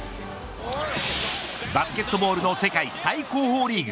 バスケットボールの世界最高峰リーグ